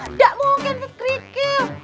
nggak mungkin tuh kerikil